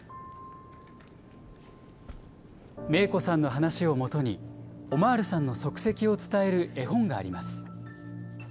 明子さんの話を基に、オマールさんの足跡を伝える絵本があります。